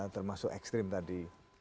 termasuk ekstrim tadi